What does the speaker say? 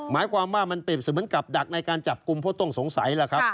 หมายความว่ามันเปรียบเสมือนกับดักในการจับกลุ่มผู้ต้องสงสัยล่ะครับ